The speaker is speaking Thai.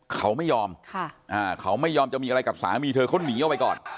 เขาไม่ยอมเขาไม่ยอมจะมีอะไรกับสามีเธอเขาหนีออกไปก่อน